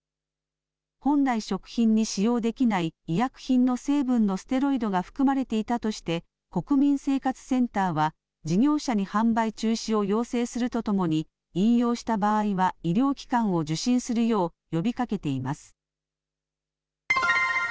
本来食品に使用できない医薬品の成分のステロイドが含まれていたとして、国民生活センターは事業者に販売中止を要請するとともに、飲用した場合は医療機関を受診するよう呼びかけています。